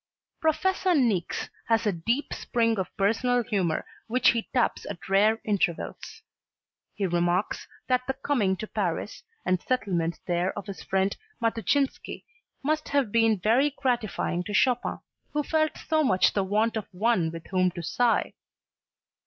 Professor Niecks has a deep spring of personal humor which he taps at rare intervals. He remarks that "the coming to Paris and settlement there of his friend Matuszynski must have been very gratifying to Chopin, who felt so much the want of one with whom to sigh."